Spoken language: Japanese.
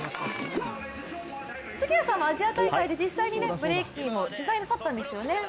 杉谷さんはアジア大会で実際にブレイキンを取材なさったんですよね？